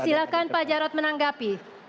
silakan pak jarod menanggapi